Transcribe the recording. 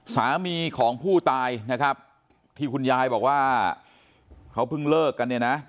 สามีของผู้ตายนะครับที่คุณยายบอกว่าเขาเพิ่งเลิกกันเนี่ยนะ